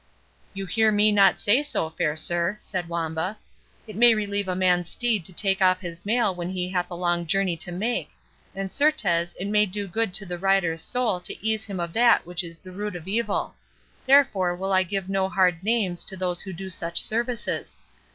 "You hear me not say so, fair sir," said Wamba; "it may relieve a man's steed to take of his mail when he hath a long journey to make; and, certes, it may do good to the rider's soul to ease him of that which is the root of evil; therefore will I give no hard names to those who do such services.